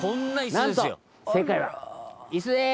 なんと正解はイスです。